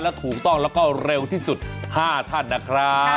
และถูกต้องแล้วก็เร็วที่สุด๕ท่านนะครับ